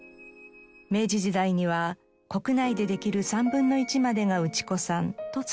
明治時代には国内でできる３分の１までが内子産と伝わります。